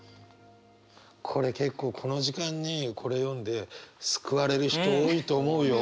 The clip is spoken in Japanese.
これ結構この時間にこれ読んで救われる人多いと思うよ。